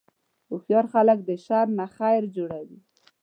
هوښیار خلک د شر نه خیر جوړوي.